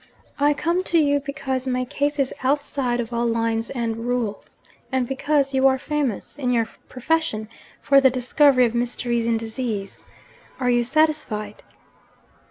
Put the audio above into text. I come to you, because my case is outside of all lines and rules, and because you are famous in your profession for the discovery of mysteries in disease. Are you satisfied?'